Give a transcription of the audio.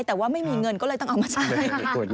แต่ว่าไม่มีเงินก็เลยต้องเอามาใช้ค่ะ